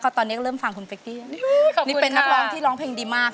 เป็นนักร้องที่ร้องเขลางเพลงดีมาก